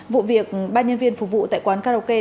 vụ việc ba nhân viên phục vụ tại quán karaoke